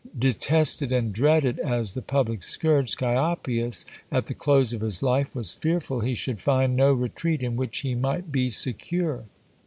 Detested and dreaded as the public scourge, Scioppius, at the close of his life, was fearful he should find no retreat in which he might be secure.